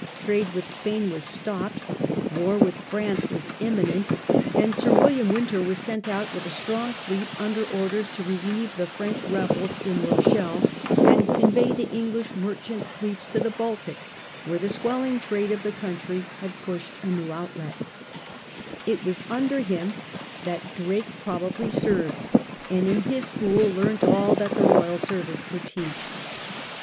Trade with Spain was stopped, war with France was imminent, and Sir William Wynter waa sent out with a strong fleet imder orders to relieve the French rebels in Rochelle and convoy the English merchant fleets to the Baltic, where the swelling trade of the country had pushed a new outlet It was under him that Drake i8 SIR FRANCIS DRAKE chap. probably served, and in his school learnt all that the royal service could teach.